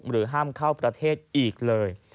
ห้ามเข้าประเทศอีกเลย